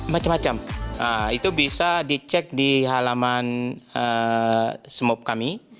macem macem itu bisa dicek di halaman smop kami